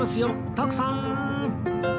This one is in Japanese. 徳さーん！